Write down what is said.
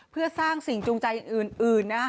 เพื่อสร้างสิ่งจรุงจัยอื่นอะไร